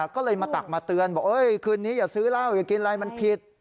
ก็เลยมาตักมาเตือนบอกคืนนี้อย่าซื้อเหล้าอย่ากินอะไรมันผิด